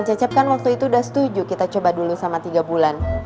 cecep kan waktu itu udah setuju kita coba dulu sama tiga bulan